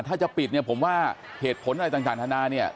ถ้าจะปิดผมว่าเหตุผลในต่างฐานะ